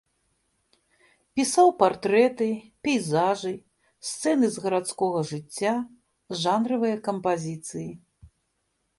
Пісаў партрэты, пейзажы, сцэны з гарадскога жыцця, жанравыя кампазіцыі.